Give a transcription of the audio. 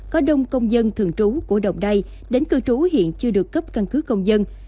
có đông công dân thường trú của đồng đây đến cư trú hiện chưa được cấp căn cứ công dân